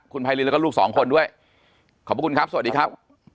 คุณไพรินแล้วก็ลูกสองคนด้วยขอบคุณครับสวัสดีครับ